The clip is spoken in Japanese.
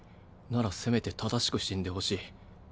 ならせめて正しく死んでほしい。